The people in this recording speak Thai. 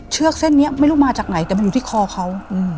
เส้นนี้ไม่รู้มาจากไหนแต่มันอยู่ที่คอเขา